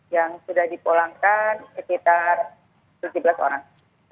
yang sudah dipulangkan sekitar tujuh belas orang